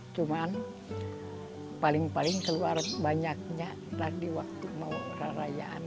cuman paling paling keluar banyaknya tadi waktu mau rayaan